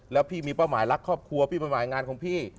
แล้วพี่มีเป้าหมายรักครอบครัวพี่เป้าหมายงานของพี่